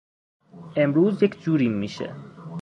امروز یک جوریم میشه.